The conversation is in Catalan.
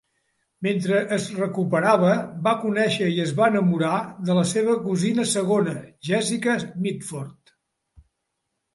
Mentre es recuperava, va conèixer i es va enamorar de la seva cosina segona, Jessica Mitford.